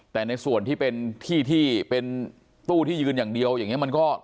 แต่ในส่วนที่เป็นที่ที่เป็นตู้ที่ยืนอย่างเดียวอย่างนี้มันก็